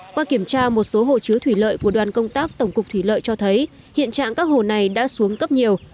qua kiểm tra một số hồ chứa thủy lợi của đoàn công tác tổng cục thủy lợi cho thấy hiện trạng các hồ này đã xuống cấp nhiều